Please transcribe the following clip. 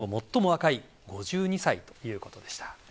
戦後最も若い５２歳ということでした。